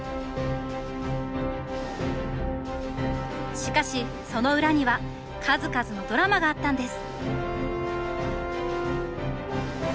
しかしその裏には数々のドラマがあったんです！